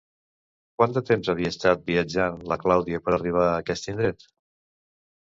Quant de temps havia estat viatjant la Clàudia per a arribar a aquest indret?